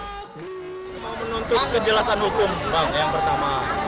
saya mau menuntut kejelasan hukum yang pertama